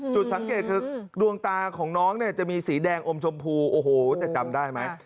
จุดสังเกตคือดวงตาของน้องเนี่ยจะมีสีแดงอมชมพูโอ้โหจะจำได้ไหม